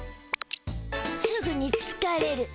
すぐにつかれる。